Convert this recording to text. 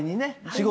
仕事。